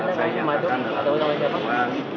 saya nyatakan dalam kesemuaan